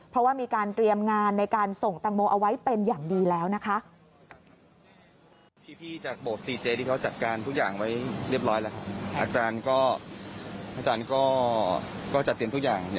เพราะว่ามีการเตรียมงานในการส่งตังโมเอาไว้เป็นอย่างดีแล้วนะคะ